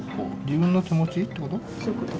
自分の手持ちってこと？